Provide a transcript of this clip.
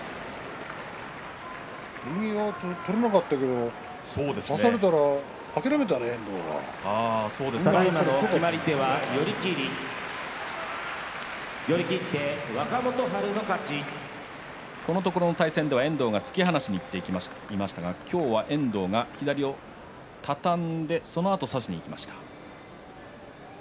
右は取れなかったけどこのところの対戦では遠藤が突き放していきましたが今日は遠藤が左を畳んでそのあと差しにいきました。